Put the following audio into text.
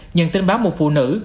nhận tin báo một phụ nữ